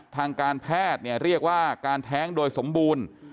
ทางการแพทย์เรียกว่าการแท้งโดยสมบูรณ์